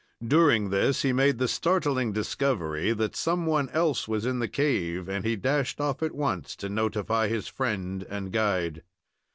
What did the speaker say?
During this he made the startling discovery that some one else was in the cave, and he dashed off at once: to notify his friend and guide.